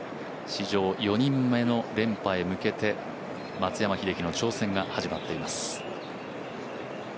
史上４人目の連覇へ向けて松山英樹の挑戦が始まっています